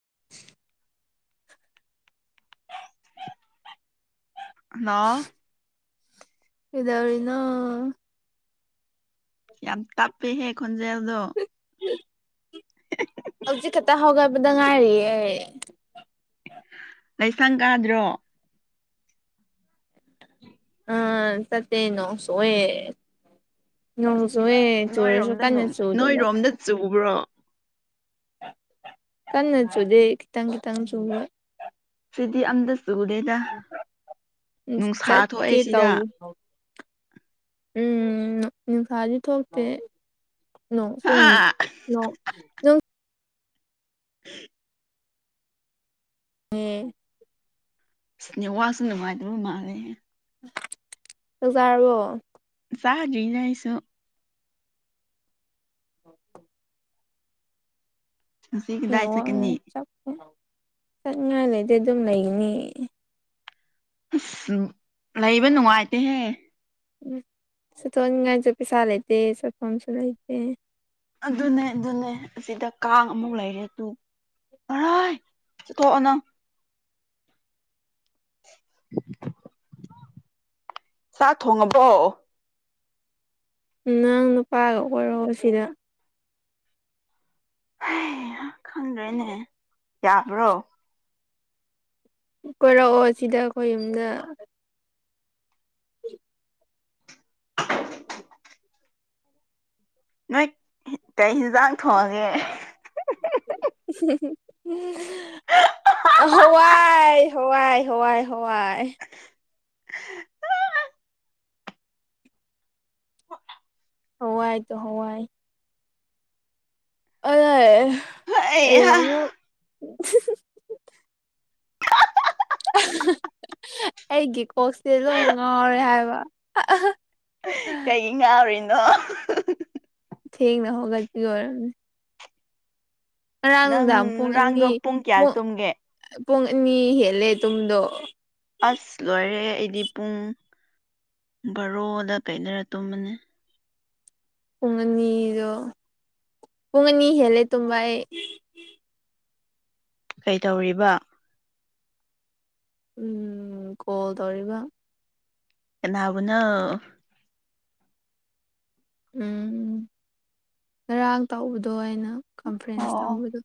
[unintelligible] Hello. ꯀꯩꯗꯧꯔꯤꯅꯣ꯫ ꯌꯥꯝ ꯇꯞꯄꯦꯍꯦ ꯈꯣꯟꯖꯦꯜꯗꯣ꯫ ꯍꯧꯖꯤꯛ ꯈꯛꯇ ꯍꯧꯒꯠꯄꯗ ꯉꯥꯏꯔꯤꯌꯦ꯫ ꯂꯩꯁꯪ ꯀꯥꯗ꯭ꯔꯣ꯫ ꯑ ꯆꯠꯇꯦ ꯅꯣꯡ ꯆꯨꯏꯑꯦ꯫ ꯆꯨꯑꯦ ꯆꯨꯔꯁꯨ ꯀꯟꯅ ꯆꯨꯗꯕ꯫ ꯕ꯭ꯔꯣ꯫ ꯀꯟꯅꯆꯨꯗꯦ ꯀꯈꯤꯇꯪ ꯀꯈꯤꯇꯪ ꯆꯨ ꯑꯗꯨꯗꯤ ꯑꯝꯗ꯫ ꯆꯨꯗꯦꯗ ꯅꯨꯡꯁꯥ ꯊꯣꯛꯑꯦ ꯆꯠꯀꯦ ꯁꯤꯗ꯫ ꯇꯧꯕ ꯎꯝ ꯅꯨꯡꯁꯥꯗꯤ ꯊꯣꯛꯇꯦ꯫ ꯅꯣ ꯍꯥ ꯁꯨꯝ ꯅꯣ꯫ [unintelligible] [unintelligible] ꯁꯦꯅꯦ ꯋꯥꯁꯤ ꯅꯨꯡꯉꯥꯏꯗꯕ ꯃꯥꯟꯂꯦ꯫ ꯆꯛꯖꯥꯔꯕꯣ꯫ ꯆꯗ꯭ꯔꯤꯅ ꯑꯩꯁꯨ꯫ [unintelligible] ꯉꯁꯤ ꯑꯦ ꯀꯗꯥꯏ ꯋꯥ ꯆꯠꯀꯅꯤ [unintelligible] ꯆꯠꯅꯤꯡꯉꯥꯏ ꯂꯩꯇꯦ ꯑꯗꯨꯝ ꯂꯩꯒꯅꯤ꯫ ꯑꯁ ꯂꯩꯕ ꯅꯨꯡꯉꯥꯏꯇꯦꯍꯦ꯫ ꯎꯝ [unintelligible] ꯉꯥꯏꯁꯨ ꯄꯩꯁꯥ ꯂꯩꯇꯦ ꯆꯠꯐꯝꯐꯝꯁꯨ ꯂꯩꯇꯦ꯫ ꯑꯗꯨꯅꯦ ꯑꯗꯨꯅꯦ ꯑꯁꯤꯗ ꯀꯥꯡ ꯑꯃꯨꯛ ꯂꯩꯔꯦ ꯇꯨ꯫ ꯍꯥꯏ ꯆꯊꯣꯛꯑꯣ ꯅꯪ꯫ ꯆꯥꯛ ꯊꯣꯡꯉꯕꯣ꯫ ꯅꯪ ꯅꯨꯄꯥꯒ ꯑꯣꯏꯔꯣ ꯁꯤꯗ꯫ ꯈꯪꯗ꯭ꯔꯦꯅꯦ ꯌꯥꯕ꯭ꯔꯣ꯫ ꯀꯣꯏꯔꯛꯑꯣ ꯁꯤꯗ ꯑꯩꯈꯣꯏ ꯌꯨꯝꯗ꯫ [unintelligible] ꯅꯣꯏ ꯀꯩ ꯍꯦꯟꯁꯥꯡ ꯊꯣꯡꯉꯦ꯫ [unintelligible] ꯍꯋꯥꯏ ꯍꯋꯥꯏ ꯍꯋꯥꯏ ꯍꯋꯥꯏ꯫ ꯍꯋꯥꯏ ꯇ ꯍꯋꯥꯏ꯫ ꯑꯗ ꯑꯦ ꯍꯩꯍꯥ ꯍꯌꯦꯡ ꯑꯃꯨꯛ ꯫ [unintelligible] ꯑꯩꯒꯤ ꯀꯣꯛꯁꯦ ꯂꯣꯏ ꯉꯥꯎꯔꯦ ꯍꯥꯏꯕ꯫ ꯀꯩꯒꯤ [unintelligible] ꯊꯦꯡꯅ ꯍꯧꯒꯠꯄꯩ ꯑꯣꯏꯔꯝꯅꯤ꯫ ꯉꯔꯥꯡ ꯅꯪ ꯅꯨꯡꯗꯥꯡ ꯄꯨꯡ ꯑꯅꯤ ꯉꯔꯥꯡꯗꯣ ꯀꯌꯥ ꯄꯨꯡ꯫ ꯇꯨꯝꯒꯦ ꯄꯨꯡ ꯑꯅꯤ ꯍꯦꯜꯂꯦ ꯇꯨꯝꯗꯣ꯫ ꯑꯁ ꯂꯣꯏꯔꯦ꯫ ꯑꯩꯗꯤ ꯄꯨꯡ ꯕꯥꯔꯣꯗ ꯀꯥꯏꯗꯔ ꯇꯨꯝꯕꯅꯤ꯫ ꯄꯨꯡ ꯑꯅꯤꯗꯣ ꯄꯨꯡ ꯑꯅꯤ ꯍꯦꯜꯂꯦ ꯇꯨꯝꯕꯥ ꯑꯩ꯫ ꯀꯩꯇꯧꯔꯤꯕ꯫ ꯎꯝ ꯀꯣꯜ ꯇꯧꯔꯤꯕ꯫ ꯀꯥꯅꯕꯨꯅꯣ꯫ ꯎꯝ ꯉꯔꯥꯡ ꯇꯧꯕꯗꯣ ꯑꯩꯅ꯫ ꯀꯝꯐꯔꯦꯟꯁ ꯑꯣ ꯊꯝꯕꯗꯨ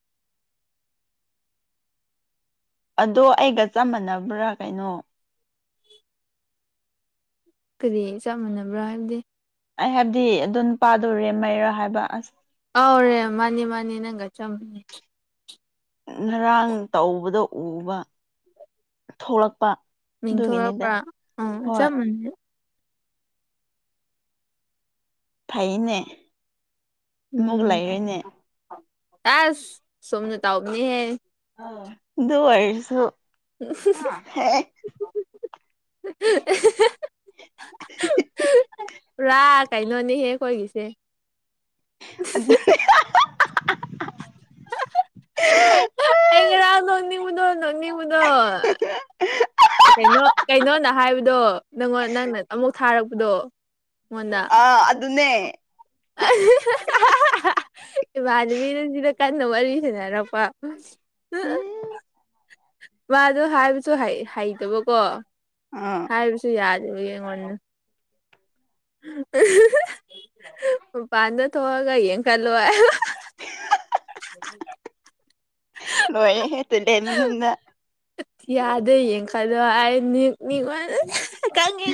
ꯑꯗꯣ ꯑꯩꯒ ꯆꯞ ꯃꯥꯟꯅꯕ꯭ꯔꯥ ꯀꯩꯅꯣ ꯀꯔꯤ ꯆꯞ ꯃꯥꯟꯅꯕ꯭ꯔꯥ ꯍꯥꯏꯕꯗꯤ ꯑꯩ ꯍꯥꯏꯕꯗꯤ ꯑꯗꯨꯝ ꯄꯥꯗꯣꯔꯦ ꯃꯩꯔꯥ ꯍꯥꯏꯕ ꯑꯁ ꯑꯥꯎꯔꯦ ꯃꯥꯅꯤ ꯃꯥꯅꯤ ꯅꯪꯒ ꯆꯝꯕꯅꯦ ꯉꯔꯥꯡ ꯇꯧꯕꯗ ꯎꯕ ꯊꯣꯛꯂꯛꯄ ꯑꯗꯨꯒꯤꯅꯤꯗ ꯃꯤꯡꯈꯂꯄ ꯑ ꯍꯣꯏ ꯆꯝꯅꯦ ꯊꯥꯏꯅꯦ ꯃꯛ ꯂꯥꯏꯑꯣꯏꯅꯦ ꯇꯁ ꯁꯣꯝꯅ ꯇ ꯑꯣꯅꯤ ꯍꯥꯏꯦ [inaudible] [unintelligible] ꯔꯥ ꯀꯩꯅꯣꯅꯤ ꯍꯦꯛ ꯑꯣꯏꯒꯤꯁꯦ ꯑꯗꯨ ꯑꯩꯥ [unintelligible] ꯅꯤꯡꯉꯗꯣ ꯅꯅꯤ ꯎꯗꯣ ꯀꯩꯅꯣ ꯀꯩꯅꯣꯅ ꯍꯥꯏꯕꯗꯣ ꯅꯪꯉꯣꯟ ꯅꯪꯅ ꯑꯃꯨꯛ ꯊꯥꯔꯛꯄꯗꯣ ꯑ ꯑꯗꯨ ꯑꯗꯨꯅꯦ ꯑ ꯗꯕꯤ ꯅꯁꯤꯗ ꯀꯥꯟꯅ ꯋꯥꯔꯤꯔꯤꯁꯦꯅꯔꯄ ꯎꯝ ꯃꯥꯗꯣ ꯍꯥꯏꯕꯁꯨ ꯍꯩꯇꯕꯀꯣ ꯑꯥ ꯍꯥꯏꯕꯁꯨ ꯌꯥꯗꯕ ꯑꯩꯉꯣꯟꯗ ꯄꯥꯟꯅ ꯊꯑꯒ ꯌꯦ ꯀꯜꯂꯣ ꯑꯗꯨ ꯍꯦ ꯍꯦ ꯇꯦꯗ ꯌꯥꯗ ꯌꯦꯡꯈꯠꯂꯣ ꯑꯩ ꯅꯤꯛꯅꯤꯉꯣꯟ ꯀꯪꯉꯤ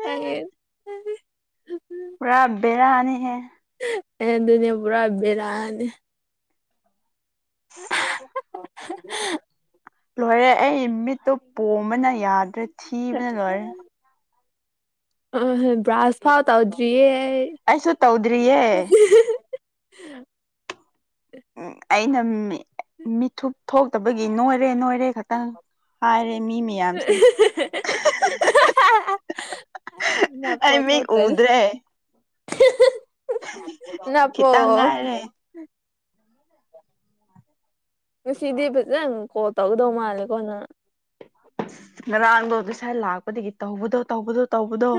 ꯈꯪꯉꯦ ꯑ ꯍꯦ ꯄꯨꯔꯥ ꯕꯔꯥ ꯑꯅꯤ ꯍꯦ ꯑꯦ ꯑꯗꯨꯅ ꯄꯨꯔꯥ ꯕꯦꯔꯥꯅꯤ [unintelligible] ꯂꯣꯏꯔꯦ ꯑꯩ ꯃꯤꯠꯇꯨ ꯄꯣꯝꯕꯅ ꯌꯥꯗ꯭ꯔꯦ ꯊꯤꯕꯅ ꯂꯣꯏꯔꯦ ꯑ ꯍ ꯭ꯔꯥꯁ ꯐꯥꯎ ꯇꯥꯎꯗ꯭ꯔꯤꯌꯦ ꯑꯩꯁꯨ ꯇꯧꯗ꯭ꯔꯤꯌꯦ [unintelligible] [inaudible] ꯎꯝ ꯑꯩꯩꯅ ꯃꯤꯊꯨꯞ ꯊꯣꯛꯇꯕꯒꯤ ꯅꯣꯏꯔꯦ ꯅꯣꯏꯔꯦ ꯈꯛꯇꯪ ꯍꯥꯏꯔꯦ ꯃꯤ ꯃꯌꯥꯝꯁꯦ ꯑꯩ ꯅꯄꯣ ꯑꯩ ꯃꯤ ꯎꯗ꯭ꯔꯦ ꯄꯣ ꯈꯤꯇꯪ ꯉꯥꯏꯔꯦ ꯉꯁꯤꯗꯤ ꯐꯖꯅ ꯀꯣꯜ ꯇꯧꯒꯗꯧ ꯃꯥꯜꯂꯦꯀꯣꯅ ꯑꯁ ꯉꯔꯥꯡꯗꯣ ꯑꯗꯨ ꯁꯥꯏ ꯂꯥꯛꯄꯗꯒꯤ ꯇꯧꯕꯗꯣ ꯇꯧꯕꯗꯣ ꯇꯧꯕꯗꯣ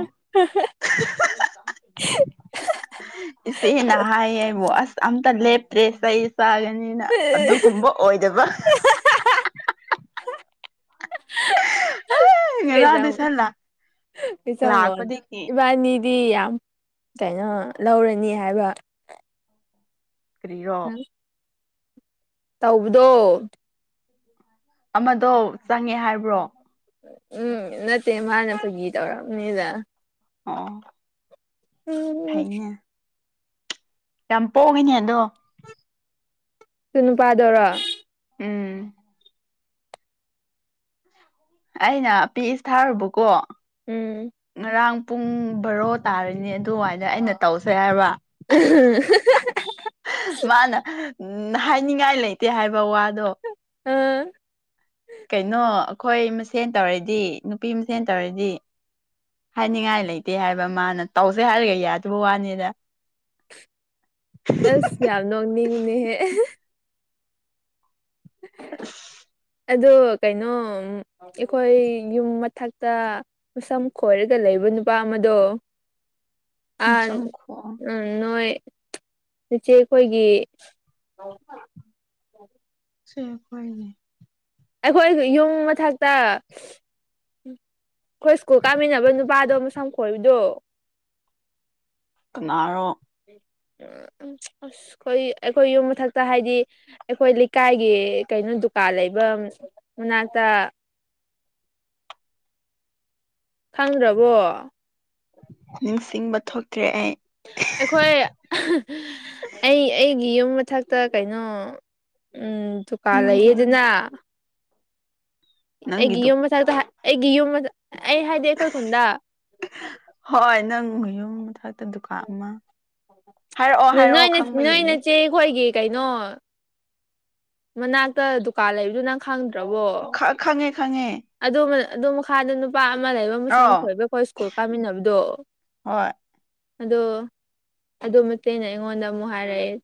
ꯏꯦ ꯅꯍꯁ ꯑꯝꯇ ꯂꯦꯞ꯭ꯔꯦꯁꯩꯁ ꯆꯥꯒꯅꯤꯅ ꯑꯗꯨꯒꯨꯝꯕ ꯑꯣꯏꯗꯕ [inaudible] ꯉꯔꯥꯡ ꯀꯩꯖ ꯗꯨꯁꯥ ꯀꯩꯖꯒꯣꯟ ꯂꯥꯛꯄꯗꯒꯤ ꯏꯕꯥꯅꯤꯗꯤ ꯀꯩꯅꯣ ꯂꯧꯔꯅꯤ ꯍꯥꯏꯕ ꯀꯔꯤꯔꯣ ꯇꯧꯕꯗꯣ ꯑꯃꯗꯣ ꯆꯪꯉꯦ ꯍꯥꯏꯕ꯭ꯔꯣ ꯎꯝ ꯅꯠꯇꯦ ꯃꯥꯅ ꯐꯒꯤ ꯇꯧꯔꯝꯅꯤꯗ ꯑꯣ ꯎꯝ ꯎꯝ ꯐꯩꯅꯦ ꯌꯥꯝ ꯄꯣꯡꯉꯤꯅꯦ ꯑꯗꯣ ꯁꯨ ꯅꯨꯄꯥꯗꯨꯔꯣ ꯎꯝ ꯑꯩꯅ ꯄꯤꯁ ꯊꯥꯔꯨꯕꯀꯣ ꯎꯝ ꯉꯔꯥꯡ ꯄꯨꯡ ꯕꯔꯣ ꯇꯥꯔꯤꯅꯤ ꯑꯗꯨꯋꯥꯏꯗ ꯑꯩꯅ ꯇꯧꯁꯦ ꯍꯥꯏꯕ ꯎ ꯍ ꯃꯥꯅ ꯎꯝ ꯍꯥꯏꯅꯤꯡꯉꯥꯏ ꯂꯩꯇꯦ ꯍꯥꯏꯕ ꯋꯥꯗꯣ ꯎꯝ ꯀꯩꯅꯣ ꯑꯩꯈꯣꯏ ꯃꯁꯦꯟ ꯇꯧꯔꯗꯤ ꯅꯨꯄꯤ ꯃꯁꯦꯟ ꯇꯧꯔꯗꯤ ꯍꯥꯏꯅꯤꯡꯉꯥꯏ ꯂꯩꯇꯦ ꯍꯥꯏꯕ ꯃꯥꯅ ꯇꯧꯁꯦ ꯍꯥꯏꯔꯒ ꯌꯥꯗꯕ ꯋꯥꯅꯤꯗ ꯑꯁ ꯌꯥꯝ ꯅꯣꯡꯅꯤꯡ ꯕꯅꯦꯍꯦ ꯑꯗꯣ ꯀꯩꯅꯣ ꯑꯩꯈꯣꯏ ꯌꯨꯝ ꯃꯊꯛꯇ ꯃꯁꯝ ꯈꯣꯏꯔꯒ ꯂꯩꯕ ꯅꯨꯄꯥ ꯑꯃꯗꯣ ꯑꯥꯟ ꯁꯨꯝ ꯈꯣꯡ ꯎꯝ ꯅꯣꯏ ꯏꯆꯦ ꯈꯣꯏꯒꯤ ꯁꫭꯏ ꯐꫭꯏꯅꯦ ꯑꯩꯈꯣꯏꯒꯤ ꯌꯨꯝ ꯃꯊꯛꯇ ꯑꯩꯈꯣꯏ ꯁ꯭ꯀꯨꯜ ꯀꯥꯃꯤꯟꯅꯕ ꯅꯨꯄꯥꯗꯣ ꯃꯁꯝ ꯈꯣꯏꯕꯗꯣ ꯀꯅꯥꯔꯣ [inaudible] ꯎꯝ ꯑꯁ ꯑꯩꯈꯣꯏ ꯑꯩꯈꯣꯏ ꯌꯨꯝ ꯃꯊꯛꯇ ꯍꯥꯏꯗꯤ ꯑꯩꯈꯣꯏ ꯂꯩꯀꯥꯏꯒꯤ ꯀꯩꯅꯣ ꯗꯨꯀꯥꯟ ꯂꯩꯕ ꯑꯝ ꯎꯅꯥꯛꯇ ꯈꯪꯗ꯭ꯔꯕꯣ ꯅꯤꯡꯁꯤꯡꯕ ꯊꯣꯛ ꯑꯩꯈꯣꯏ ꯑꯍ ꯑꯩ ꯑꯩ ꯒꯤ ꯌꯨꯝ ꯃꯊꯛꯇ ꯀꯩꯅꯣ ꯎꯝ ꯗꯨꯀꯥꯟ ꯅꯪꯒꯤ ꯂꯩꯌꯦꯗꯅ ꯑꯩꯒꯤ ꯅꯪꯒꯤꯗꯨ ꯌꯨꯝ ꯃꯊꯛꯇ ꯑꯩꯒꯤ ꯌꯨꯝ ꯃꯊ ꯑꯩ ꯍꯥꯏꯗꯤ ꯑꯩꯈꯣꯏ ꯈꯨꯟꯗ ꯎ ꯌꯨꯝ ꯃꯊꯛꯇ ꯗꯨꯀꯥꯟ ꯑꯃ ꯍꯥꯏꯔꯛꯑꯣ ꯍꯥꯏꯔꯛꯑꯣ ꯈꯪꯕ ꯌꯦꯡꯒꯦ ꯅꫭ ꯃꯅꯥꯛꯇ ꯗꯨꯀꯥꯟ ꯂꯩꯕꯗꯨ ꯅꯪ ꯈꯪ ꯈ ꯈꯪꯉꯦ ꯈꯪꯉꯦ ꯑꯗꯣ ꯃꯈꯥꯗ ꯅꯨꯄꯥ ꯑꯃ ꯂꯩꯕ ꯃꯨꯁꯝ ꯑꯥꯎ ꯈꯣꯏꯕ ꯈꫭꯏ ꯁ꯭ꯀꯨꯜ ꯀꯥꯃꯤꯟꯅꯕꯗꯣ ꯍꯣꯏ ꯑꯗꯣ ꯑꯗꯨ ꯃꯆꯦꯅ ꯑꯩꯉꯣꯟꯗ ꯑꯃꯨꯛ ꯍꯥꯏꯔꯛꯑꯦ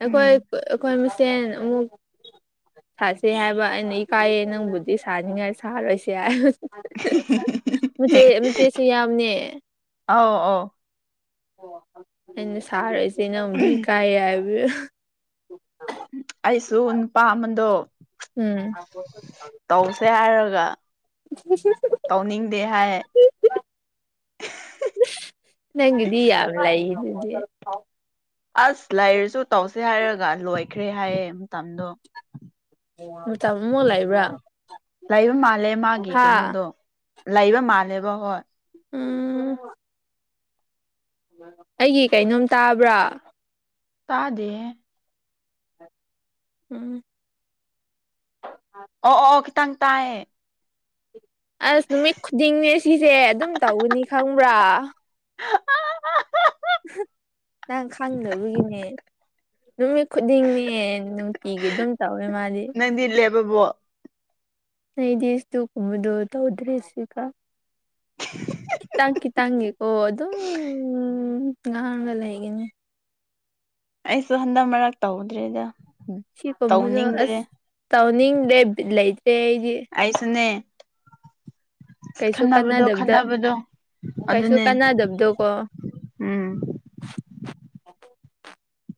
ꯑꯩꯈꯣꯏ ꯎꯝ ꯑ ꯑꯩꯈꯣꯏ ꯃꯁ ꯁꯦꯟ ꯑꯃꯨꯛ ꯁꯥꯁꯦ ꯍꯥꯏꯕ ꯑꯩꯅ ꯏꯀꯥꯏꯌꯦ ꯅꯪꯕꯨꯗꯤ ꯁꯥꯅꯤꯡꯉꯥ ꯁꯥꯔꯣꯏꯁꯦ ꯍꯥꯏꯕ ꯃꯆꯦ ꯃꯆꯦꯁꯨ ꯌꯥꯎꯕꯅꯦ ꯑꯥꯎ ꯑꯧ ꯑꯩꯅ ꯁꯥꯔꯣꯏꯁꯦ ꯅꯕꯨꯨꯗꯤ ꯏꯀꯥꯏꯌꯦ ꯍꯥꯏꯕ ꯑꯩꯁꯨ ꯅꯨꯄꯥ ꯑꯃꯗꯣ ꯎꯝ ꯇꯧꯁꯦ ꯍꯥꯏꯔꯒ ꯇꯧꯅꯤꯡꯗꯦ ꯍꯥꯏ ꯅꯪꯒꯤꯗꯤ ꯌꯥꯝ ꯂꯩꯗꯨꯗꯤ ꯑꯁ ꯂꯩꯔꯁꯨ ꯇꯧꯁꯦ ꯍꯥꯏꯔꯒ ꯂꯣꯏꯈ꯭ꯔꯦ ꯍꯥꯏꯌꯦ ꯃꯇꯝꯗꯣ ꯃꯇꯝ ꯑꯃꯨꯛ ꯂꯩꯕ꯭ꯔꯥ ꯂꯩꯕ ꯃꯥꯜꯂꯦ ꯃꯥꯒꯤ ꯍꯥ ꯀꯩꯅꯣꯗꯣ ꯂꯩꯕ ꯃꯥꯜꯂꯦꯕ ꯍꯣꯏ ꯎꯝ ꯑꯩꯒꯤ ꯀꯩꯅꯣꯝ ꯇꯥꯕ꯭ꯔꯥ ꯇꯥꯗꯦꯍꯦ ꯎꯝ ꯑꯣ ꯑꯣ ꯑꫭ ꯈꯤꯇꯪ ꯇꯥꯏꯌꯦ ꯑꯁ ꯅꯨꯃꯤꯠ ꯈꯨꯗꯤꯡꯅꯦ ꯁꯤꯁꯦ ꯑꯗꯨꯝ ꯇꯧꯒꯅꯤ ꯈꯪꯕ꯭ꯔꯥ ꯑꯍ ꯅꯪ ꯈꯪꯗꯕꯒꯤꯅꯦ ꯅꯨꯃꯤꯠ ꯈꯨꯗꯤꯡꯅꯦ ꯅꯨꯡꯇꯤꯒꯤ ꯑꯗꯨꯝ ꯇꯧꯋꯦ ꯃꯥꯗꯤ ꯕꯕꯣ ꯑꯩꯗꯤ ꯏꯁꯇꯨꯛ ꯀꯨꯃꯕꯗꯨ ꯇꯧꯗ꯭ꯔꯦ ꯁꯤꯀ [inaudible] ꯇꯥꯡ ꯈꯤꯇꯥꯡꯒꯤ ꯀꯣ ꯑꯗꯨꯝ ꯉꯥꯡꯔ ꯂꯩꯒꯅꯤ ꯑꯩꯁꯨ ꯍꯟꯗꯛ ꯃꯔꯛ ꯇꯧꯗ꯭ꯔꯦꯗ ꯁꯤ ꯄꯝꯕꯗꯣ ꯇꯧꯅꯤꯡꯗ꯭ꯔꯦ ꯑꯁ ꯇꯥꯎꯅꯤꯡꯗꯦ ꯕꯤꯠ ꯂꯩ ꯑꯩꯁꯨꯅꯦ ꯀꯩꯁꯨ ꯈꯟꯅꯕꯗꯣ ꯀꯅꯥꯗꯕꯗ ꯈꯟꯅꯕꯗꯣ ꯀꯩꯁꯨ ꯑꯗꯨꯅꯦ ꯀꯥꯅꯗꯕꯗꯣ ꯀꯣ ꯎꯝ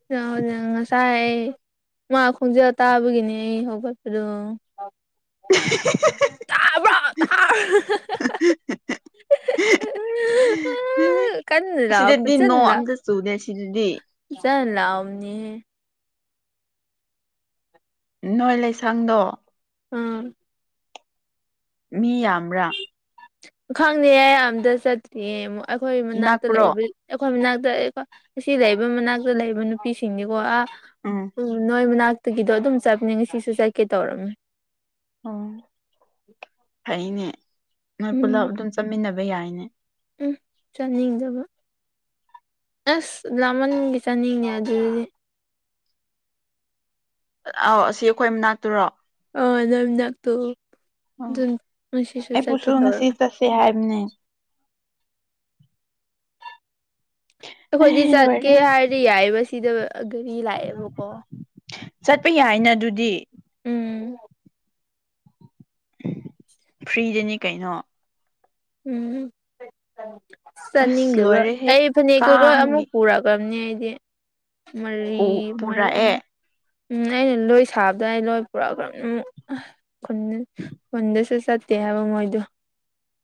ꯅꯥꯎꯅ ꯉꯁꯥꯏ ꯃꯥ ꯈꯣꯡꯖꯦꯜ ꯇꯥꯕꯒꯤꯅꯤ ꯏ ꯍꯧꯒꯠꯄꯗꯣ ꯇꯕ꯭ꯔꯣ ꯇꯥꯔ ꯀꯟꯅ ꯍꯤ ꯂꯥꯎ ꯁꯤꯗꯗꯤ ꯐꯖꯅ ꯅꯣꯡ ꯑꯝꯇ ꯆꯨꯗꯦ ꯁꯤꯗꯗꯤ ꯍꯂꯥꯎ ꯅꯦ ꯅꯣꯏ ꯂꯩꯁꯥꯡꯗꯣ ꯑꯥ ꯃꯤ ꯌꯥꯝꯕꯌ꯭ꯥ ꯈꯪꯗꯦꯌꯦ ꯑꯝꯇ ꯆꯠꯇꯦꯌꯦ ꯃꯣ ꯑꯩꯈꯣꯏ ꯃꯅꯥꯛꯇ ꯅꯛꯄ꯭ꯔꯣ ꯂꯩꯕꯩ ꯈꯣꯏ ꯃꯅꯥꯛꯇꯥ ꯑꯁꯤ ꯂꯩꯕ ꯃꯅꯥꯛꯇ ꯂꯩꯕ ꯅꯨꯄꯤꯁꯤꯡꯅꯤꯀꯣ ꯑ ꯎꯝ ꯅꯣꯏ ꯃꯅꯥꯛ ꯕꯒꯤꯗꯣ ꯑꯗꯨꯝ ꯆꯠꯄꯅꯦ ꯁꯤꯁꯨ ꯆꯠꯀꯦ ꯇꯧꯔꯝꯃꯤ ꯑꯣ ꯐꯩꯅꯦ ꯅꯣꯏ ꯄꯨꯂꯞ ꯎꯝ ꯑꯗꯨꯝ ꯆꯠꯃꯤꯟꯅꯕ ꯌꯥꯏꯅꯦ ꯎꯝ ꯆꯠꯅꯤꯡꯗꯕ ꯑꯁ ꯂꯃꯟ ꯒꯤ ꯆꯅꯤꯡꯉꯦ ꯑꯗꯨꯏ ꯑꯥꯎ ꯑꯁꯤ ꯑꯩꯈꯣꯏ ꯃꯅꯥꯛꯇꯨꯔꯣ ꯑꯣ ꯅꯝꯅꯞ ꯇꯨ ꯑꯧ ꯑꯩꯄꯨꯁꯨ ꯇꯧꯔꯝꯃꯦ ꯉꯁꯤ ꯆꯠꯁꯦ ꯍꯥꯏꯕ ꯅꯦ ꯑꯈꯣꯏꯗꯤ ꯆꯠꯀꯦ ꯂꯣꯏꯔꯦ ꯍꯥꯏꯔꯗꯤ ꯌꯥꯏꯌꯦꯕ ꯁꯤꯗ ꯑꯗꯨꯒꯤ ꯂꯥꯑꯦꯕꯀꯣ ꯆꯠꯄ ꯌꯥꯏꯅ ꯑꯗꯨꯗꯤ ꯎꯝ ꯐ꯭ꯔꯤꯗꯅꯤ ꯀꯩꯅꯣ ꯎꯝ ꯑꯁ ꯆꯠꯅꯤꯡꯗꯕ ꯂꯣꯏꯔꯦ ꯍꯦꯛ ꯑꯩ ꯐꯅꯦꯛꯇꯣ ꯂꯣꯏ ꯑꯃꯨꯛ ꯀꯥꯡꯒꯤ ꯄꯨꯔꯛꯑꯕꯝꯅꯦ ꯑꯩꯗꯤ ꯃꯔꯤ ꯄꯨ ꯃꯔ ꯄꯨꯔꯛꯑꯦ ꯎꯝ ꯅꯩꯅ ꯂꯣꯏ ꯁꯥꯕꯗ ꯑꯩ ꯂꯣꯏ ꯄꯨꯔꯒꯔꯝ ꯑꯝ ꯈꯨꯟ ꯈꯨꯟꯗꯁꯨ ꯆꯠ ꯇꯦ ꯍꯥꯏꯕ ꯃꯣꯏꯗꯨ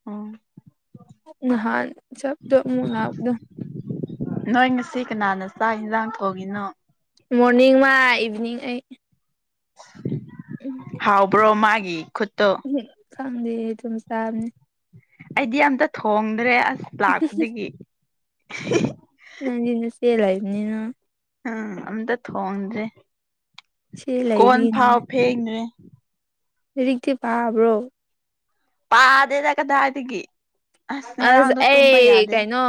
ꯑꯥ ꯅꯥꯍꯥꯟ ꯆꯞꯇ ꯎꯝ ꯂꯥꯛꯕꯗꯨ ꯅꯣꯏ ꯉꯁꯤ ꯀꯅꯥꯅ ꯆꯥꯛ ꯍꯤꯟꯖꯥꯡ ꯊꯣꯡꯏꯤꯅꯣ ꯃꯣꯔꯅꯤꯡ ꯃꯥ ꯏꯚꯤꯅꯤꯡ ꯑꯩ ꯍꯥꯎꯕ꯭ꯔꯣ ꯃꯥꯒꯤ ꯈꯨꯠ ꯎꯍꯨ ꯈꯪꯗꯦ ꯑꯗꯨꯝ ꯆꯕꯅꯦ ꯑꯩꯗꯤ ꯑꯝꯇ ꯊꯣꯡꯗ꯭ꯔꯦ ꯑꯁ ꯂꯥꯛꯄꯗꯒꯤ ꯅꯪꯗꯤ ꯅꯆꯦ ꯂꯩꯕꯅꯤꯅ ꯎꯝ ꯑꯝꯇ ꯊꯣꯡꯗ꯭ꯔꯦ ꯏꯆꯦ ꯀꯣꯟ ꯐꯥꯎ ꯐꯦꯡꯗ꯭ꯔꯦ ꯔꯤꯇꯤ ꯄꯕ꯭ꯔꯣ ꯄꯥꯗꯦꯗ ꯀꯗꯥꯏꯗꯒꯤ ꯑꯁ ꯉꯔꯥꯡꯗꯣ ꯇꯨꯝꯕ ꯑꯩ ꯌꯥꯗꯦ ꯀꯩꯅꯣ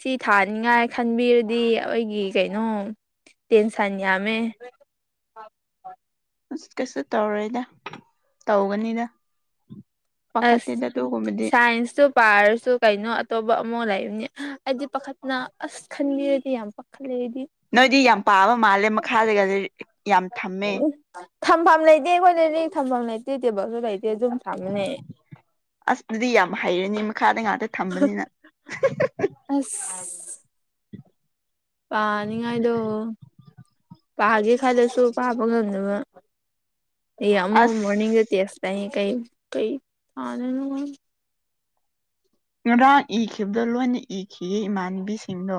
ꯁꯤ ꯊꯥꯅꯤꯡꯉꯥꯏ ꯈꯟꯕꯤꯔꯗꯤ ꯑꯩꯒꯤ ꯀꯩꯅꯣ ꯇꯦꯟꯁꯟ ꯌꯥꯝꯃꯦ ꯑꯁ ꯀꯩꯁꯨ ꯇꯧꯔꯣꯏꯗ ꯇꯧꯒꯅꯤꯗ ꯑꯁ ꯄꯥꯈꯠꯇꯦꯗ ꯑꯗꯨꯒꯨꯝꯕꯗꯤ ꯁꯥꯏꯟꯁ ꯇꯨ ꯄꯥꯔꯁꯨ ꯀꯩꯅꯣ ꯑꯇꯣꯞꯄ ꯑꯃꯨꯛ ꯂꯩꯕꯅꯤ ꯑꯩꯗꯤ ꯄꯥꯈꯠꯄꯅ ꯑꯁ ꯈꯟꯕꯤꯔꯗꯤ ꯌꯥꯝ ꯄꯥꯈꯠ ꯅꯣꯏꯗꯤ ꯌꯥꯝ ꯄꯥꯕ ꯃꯥꯜꯂꯦ ꯃꯈꯥꯗꯒꯗꯤ ꯎꯝ ꯊꯝꯐꯝ ꯂꯩꯇꯦ ꯑꯩꯈꯣꯏ ꯗꯗꯤ ꯊꯝꯕꯝ ꯂꯩꯇꯦ ꯇꯦꯕꯜꯖꯨ ꯂꯩ ꯑꯁ ꯗꯨꯗꯤ ꯌꯥꯝ ꯍꯩꯔꯅꯤ ꯃꯥ ꯃꯈꯥꯗ ꯉꯥꯛꯇ ꯊꯝꯕꯅꯤꯅ ꯑꯥ ꯅꯤꯡꯉꯥꯏꯗꯣ ꯄꯥꯒꯦ ꯈꯜꯂꯁꯨ ꯄꯥꯕ ꯉꯝꯗꯕ ꯑꯩ ꯑꯃꯨꯛ ꯑꯁ ꯃꯣꯔꯅꯤꯡꯗ ꯇꯦꯁ ꯂꯩꯌꯦ ꯀꯩ ꯀꯩ ꯄꯥꯗꯣꯏꯅꯣ ꯈꯪꯗꯦ ꯉꯔꯥꯡ ꯏꯈꯤꯕꯗꯣ ꯂꯣꯏꯅ ꯏꯈꯤꯌꯦ ꯏꯃꯥꯟꯅꯕꯤꯁꯤꯡꯗꯣ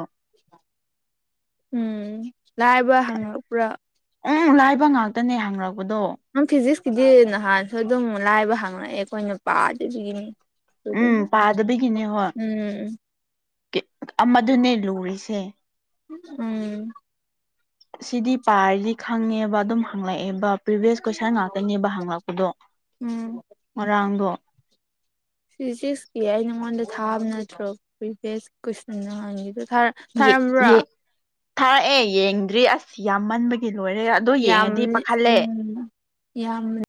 ꯎꯝ ꯂꯥꯏꯕ ꯍꯪꯉꯛꯄ꯭ꯔ ꯎꯝ ꯂꯥꯏꯕ ꯉꯥꯛꯇꯅꯦ ꯍꯪꯉꯛ ꯅꯪ ꯐꯤꯖꯤꯛꯁꯀꯤꯗꯤ ꯅꯍꯥꯟꯁꯨ ꯑꯗꯨꯝ ꯂꯥꯏꯕ ꯍꯪꯂꯛꯑꯦ ꯑꯩꯈꯣꯏꯅ ꯄꯥꯗꯕꯒꯤꯅꯤ ꯎꯝ ꯄꯥꯗꯕꯒꯤꯅꯦ ꯍꯣꯏ ꯎꯝ ꯑꯃꯗꯨꯅꯦ ꯂꯨ ꯔꯤꯁꯦ ꯎꯝ ꯁꯤꯗꯤ ꯄꯥꯔꯗꯤ ꯈꯪꯉꯦꯕ ꯑꯗꯨꯝ ꯍꯪꯂꯛꯑꯦꯕ ꯄ꯭ꯔꯤꯚ꯭ꯌꯁ ꯀꯣꯏꯁꯟ ꯉꯥꯛꯇꯅꯦꯕ ꯍꯪꯉꯛꯄꯗꯣ ꯎꯝ ꯉꯔꯥꯡꯗꯣ ꯐꯤꯖꯤꯛꯁꯀꯤ ꯑꯩ ꯅꯉꯣꯟꯗ ꯊꯥꯕ ꯅꯠꯇ꯭ꯔꯣ ꯄꯔꯤꯚꯦꯁ ꯀꯣꯏꯁꯟ ꯅꯍꯥꯟꯒꯤꯗꯣ ꯊꯥꯔ ꯊꯥꯔꯝꯕ꯭ꯔꯣ ꯊꯥꯥꯔꯛꯑꯦ ꯌꯦꯡꯗ꯭ꯔꯤ ꯑꯁ ꯌꯥꯝꯃꯟꯕꯒꯤ ꯗꯤ ꯂꯣꯏꯔꯦꯗ ꯑꯗꯨ ꯌꯦꯡꯉꯗꯤ ꯌꯥꯝꯕꯅꯤ ꯄꯥꯈꯠꯂꯦ ꯎꯝ ꯌꯥꯝꯕꯅꯤ